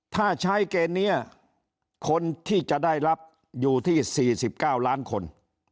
ถ้าใช้เกณฑ์เนี้ยคนที่จะได้รับอยู่ที่สี่สิบเก้าร้านคน